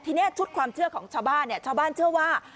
ทีนี้ชุดความเชื่อของชาวบ้านเนี่ยชาวบ้านชาวบ้านเชื่อว่า